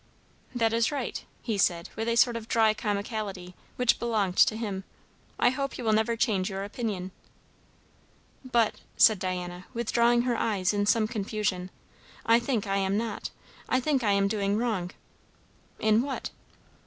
"That is right," he said, with a sort of dry comicality which belonged to him, "I hope you will never change your opinion." "But," said Diana, withdrawing her eyes in some confusion, "I think I am not. I think I am doing wrong." "In what?"